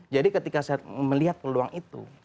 jadi ketika saya melihat peluang itu